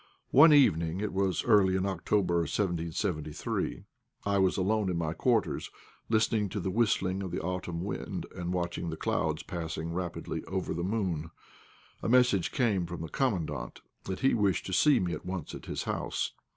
One evening (it was early in October, 1773) I was alone in my quarters, listening to the whistling of the autumn wind and watching the clouds passing rapidly over the moon. A message came from the Commandant that he wished to see me at once at his house.